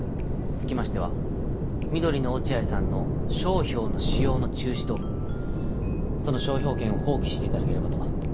つきましては「緑のおチアイさん」の商標の使用の中止とその商標権を放棄していただければと。